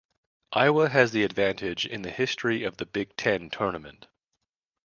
Iowa has the advantage in the history of the Big Ten Tournament.